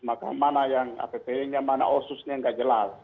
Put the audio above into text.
maka mana yang appd nya mana otsus nya tidak jelas